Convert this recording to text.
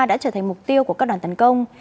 đã trở thành mục tiêu của các đoàn tấn công